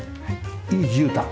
いいじゅうたん。